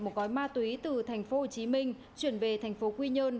một gói ma túy từ tp hcm chuyển về tp quy nhơn